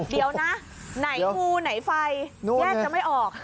เดี๋ยวนะไหนงูไหนไฟแยกจะไม่ออก